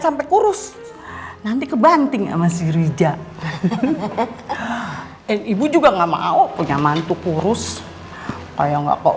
sampai kurus nanti ke banting ama siruija dan ibu juga enggak mau punya mantu kurus kayak nggak kok